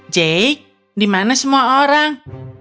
jack di mana semua orang